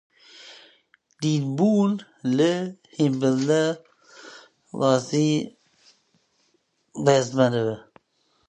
Dînbûn, li hemberî raseriya aqilî rêzgirtin e.